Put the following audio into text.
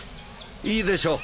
いいでしょう。